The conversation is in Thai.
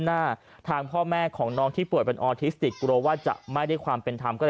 หน้าทางพ่อแม่ของน้องที่ป่วยเป็นออทิสติกกลัวว่าจะไม่ได้ความเป็นธรรมก็เลย